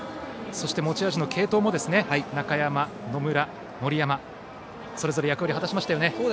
そして持ち味の継投も中山、野村、森山とそれぞれ役割を果たしましたね。